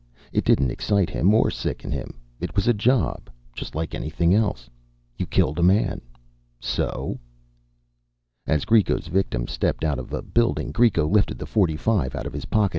It didn't excite him or sicken him. It was a job, just like anything else. You killed a man. So? As Greco's victim stepped out of a building, Greco lifted the .45 out of his pocket.